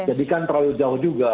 jadi kan terlalu jauh juga